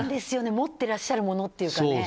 持っていらっしゃるものというかね。